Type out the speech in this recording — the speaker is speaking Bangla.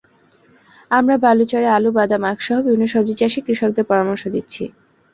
আমরা বালুচরে আলু, বাদাম, আখসহ বিভিন্ন সবজি চাষে কৃষকদের পরামর্শ দিচ্ছি।